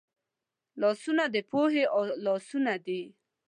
لاسونه د پوهې لاسونه دي